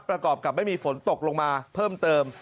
ประกอบกับไม่มีฝนตกลงมาเพิ่มเติม